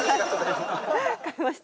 買いました。